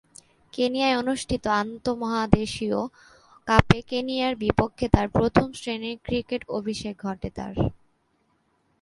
কেনিয়ায় অনুষ্ঠিত আন্তঃমহাদেশীয় কাপে কেনিয়ার বিপক্ষে তার প্রথম-শ্রেণীর ক্রিকেটে অভিষেক ঘটে তার।